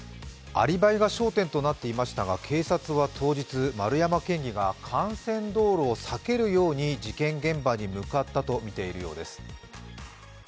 アリバイが焦点となっていましたが、警察は当日、丸山県議が幹線道路を避けるように事件現場に向かったとみているようです。